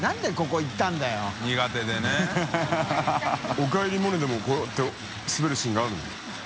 「おかえりモネ」でもこうやって滑るシーンがあるの？